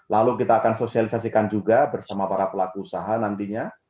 lalu kita akan sosialisasikan juga bersama para pelaku usaha nantinya